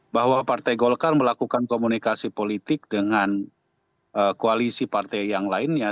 bahwa partai golkar melakukan komunikasi politik dengan koalisi partai yang lainnya